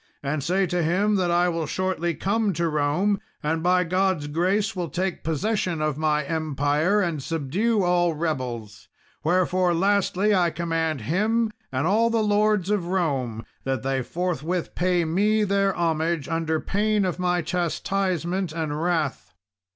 And say to him that I will shortly come to Rome, and by God's grace will take possession of my empire and subdue all rebels. Wherefore, lastly, I command him and all the lords of Rome that they forthwith pay me their homage, under pain of my chastisement and wrath."